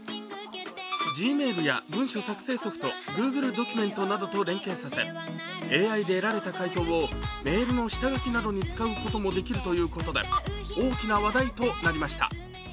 Ｇｍａｉｌや文書作成ソフト、Ｇｏｏｇｌｅドキュメントなどと連携させ、ＡＩで得られた回答をメールの下書きなどに使うこともできるということで大きな話題となりました。